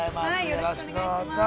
よろしくどうぞ。